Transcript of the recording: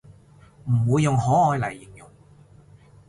唔會用可愛嚟形容